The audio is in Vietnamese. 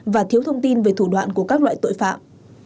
và thiếu thông tin về thủ đoạn của các loại tội phạm